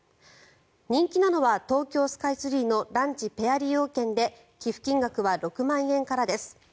人気なのは東京スカイツリーのランチペア利用券で寄付金額は６万円からです。